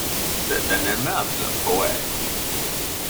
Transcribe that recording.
C’est un aimable poète.